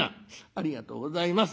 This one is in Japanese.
「ありがとうございます。